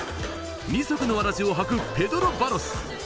二足のわらじを履く、ペドロ・バロス。